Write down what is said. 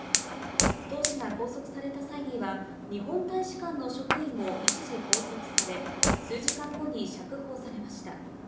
董氏が拘束された際には、日本大使館の職員も一時拘束され、数時間後に釈放されました。